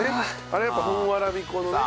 あれやっぱ本わらび粉のね。